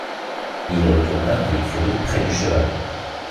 Il retourna dans l’écurie près du cheval.